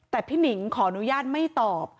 แต่พี่หนิงขออนุญาตไม่ตอบ